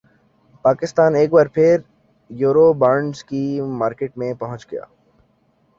پاکستان ایک بار پھر یورو بانڈز کی مارکیٹ میں پہنچ گیا